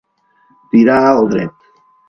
Tirar al dret.